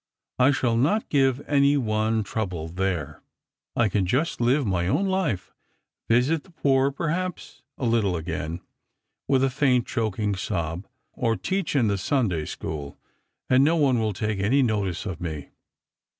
I shall not give any one trouble there. I can just lire my own life ; visit the poor, pei haps, a little again," with a faint choking sob; "or teach in the Sunday school; and no one will take any notice of me.